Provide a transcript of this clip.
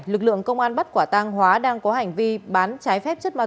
lực lượng công an bắt quả tang hóa đang có hành vi bán trái phép chất ma túy